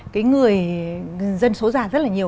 cái người dân số già rất là nhiều